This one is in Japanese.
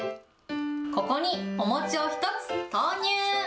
ここにお餅を１つ投入。